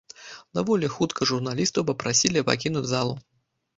Даволі хутка журналістаў папрасілі пакінуць залу.